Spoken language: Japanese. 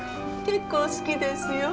結構好きですよ。